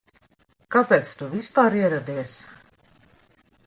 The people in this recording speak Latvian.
Kāpēc tu vispār ieradies?